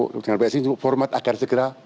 dengan beasis format agar segera